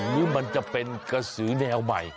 นี่มันจะเป็นกระสือแนวใหม่